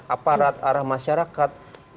aparat arah masyarakat